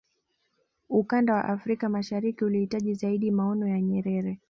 ukanda wa afrika mashariki ulihitaji zaidi maono ya nyerere